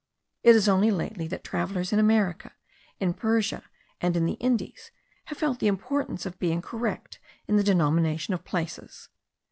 It is only lately that travellers in America, in Persia, and in the Indies, have felt the importance of being correct in the denomination of places.